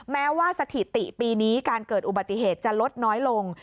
แม้ว่าสถิติปีนี้การเกิดอุบัติเหตุจะลดน้อยลง